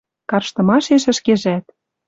Карштымашеш ӹшкежӓт